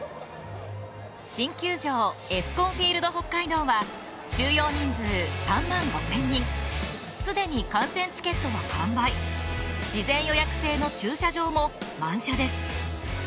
新球場ＥＳＣＯＮＦＩＥＬＤＨＯＫＫＡＩＤＯは収容人数３万５０００人、既に観戦チケットは完売、事前予約制の駐車場も満車です。